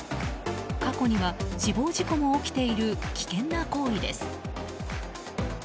過去には死亡事故も起きている危険な行為です。